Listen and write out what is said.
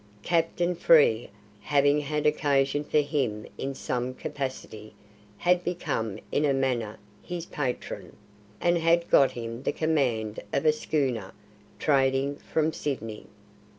Captain Frere, having had occasion for him in some capacity, had become in a manner his patron, and had got him the command of a schooner trading from Sydney.